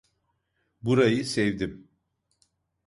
Burayı sevdim.